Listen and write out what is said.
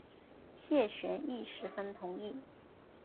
谢玄亦十分同意。